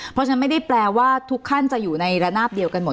เพราะฉะนั้นไม่ได้แปลว่าทุกขั้นจะอยู่ในระนาบเดียวกันหมด